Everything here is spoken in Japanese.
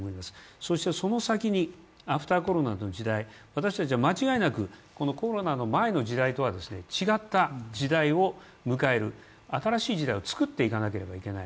そしてその先にアフター・コロナの時代私たちは間違いなくこのコロナの前の時代とは違った時代を迎える新しい時代を作っていかなければいけない